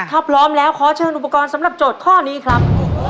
ถ้าพร้อมแล้วขอเชิญอุปกรณ์สำหรับโจทย์ข้อนี้ครับ